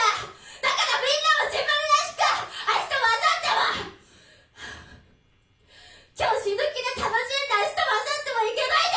だからみんなも自分らしく明日もあさっても今日死ぬ気で楽しんで明日もあさっても生き抜いて下さい！